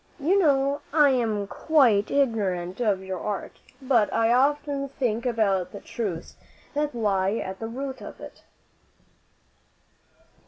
You know I am quite ignorant of your art, but I often think about the truths that lie at the root of it."